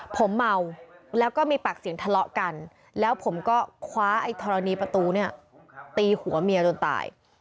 ผมเมาแล้วก็มีปากเสียงทะเลาะกันแล้วผมก็คว้าไอ้ธรณีประตูเนี่ยตีหัวเมียจนตาย